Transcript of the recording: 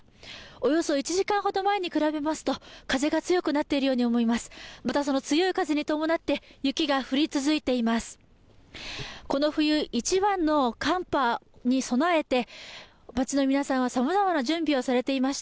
およそ１時間ほど前に比べますと、風が強くなっているように思います。